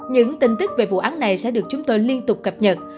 những tin tức về vụ án này sẽ được chúng tôi liên tục cập nhật